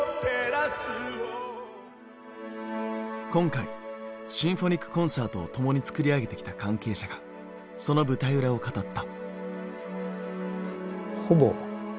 今回シンフォニックコンサートを共に作り上げてきた関係者がその舞台裏を語った。